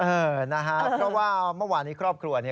เออนะครับเพราะว่าเมื่อวานนี้ครอบครัวเนี่ย